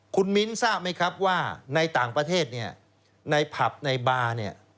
คุณมิ้นทร์ทราบไหมครับว่าในต่างประเทศในผับในบาร์